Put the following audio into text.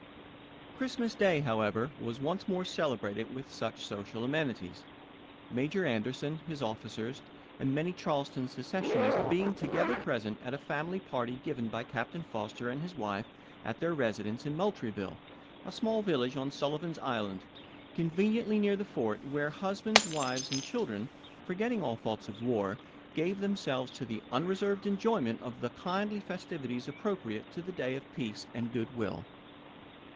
Christmas day, Jan., mi . p. 48, note. however, was once more celebrated with such social amenities ; Major Anderson, his officers, and many Charleston secessionists being together present at a family party given by Captain Foster and his wife at their residence in Moultrieville, a small vil lage on Sullivan's Island, conveniently near the fort, where husbands, wives, and children, forget 46 ABEAHAM LINCOLN chap. in. ting all thoughts of war, gave themselves to the "unreserved enjoyment of the kindly festivities appropriate to the day of peace and good will.